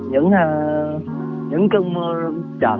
gọi là những cơn mưa trợt thôi